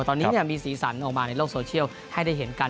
ตอนนี้มีสีสันออกมาในโลกโซเชียลให้ได้เห็นกัน